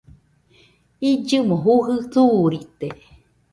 Illɨmo jujɨ suurite